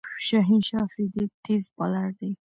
شاهین شاه آفريدي تېز بالر دئ.